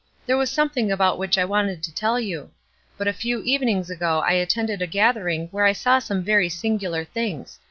There was something about which I wanted to tell you. But a few evenings ago I attended a gathering where I saw some very singular things.